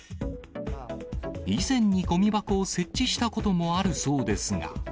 以前にごみ箱を設置したこともあるそうですが。